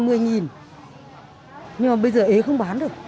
nhưng mà bây giờ ế không bán được